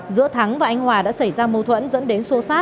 giữa thắng và anh hòa đã xảy ra mâu thuẫn dẫn đến số sát